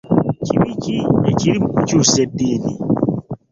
Kibi ki ekiri mu kukyusa eddini?